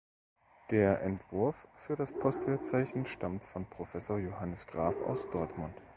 Der Entwurf für das Postwertzeichen stammt von Professor Johannes Graf aus Dortmund.